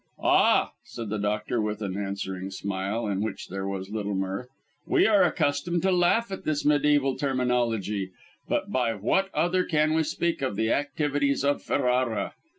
"Ah!" said the doctor, with an answering smile in which there was little mirth, "we are accustomed to laugh at this mediæval terminology; but by what other can we speak of the activities of Ferrara?"